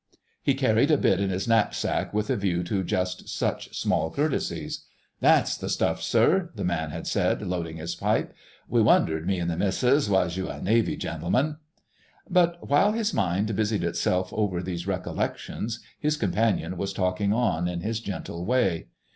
He carried a bit in his knapsack with a view to just such small courtesies. "That's the stuff, sir," the man had said, loading his pipe. "We wondered, me an' the missus, was you a Naval gentleman...?" But while his mind busied itself over these recollections his companion was talking on in his, gentle way.